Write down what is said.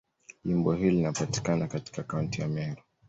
Jimbo hili linapatikana katika Kaunti ya Meru.